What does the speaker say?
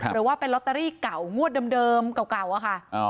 หรือว่าเป็นลอตเตอรี่เก่างวดเดิมเก่าอะค่ะ